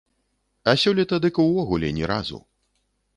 А сёлета дык увогуле ні разу.